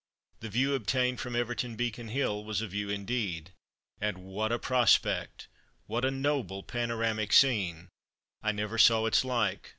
The view obtained from Everton Beacon hill was a view indeed. And what a prospect! What a noble panoramic scene! I never saw its like.